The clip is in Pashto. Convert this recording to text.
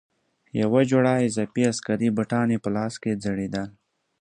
یوه جوړه اضافي عسکري بوټان یې په لاس کې ځړېدل.